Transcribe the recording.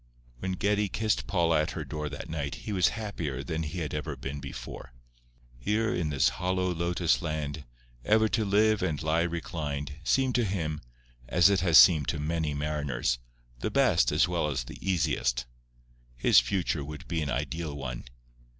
When Geddie kissed Paula at her door that night he was happier than he had ever been before. "Here in this hollow lotus land, ever to live and lie reclined" seemed to him, as it has seemed to many mariners, the best as well as the easiest. His future would be an ideal one.